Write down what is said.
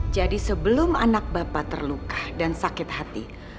jadi sebelum anak bapak terluka dan sakit hati